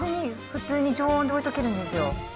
普通に常温で置いとけるんですよ。